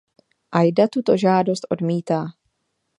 Aida tuto žádost odmítá.